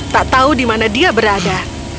tak tahu di mana dia berada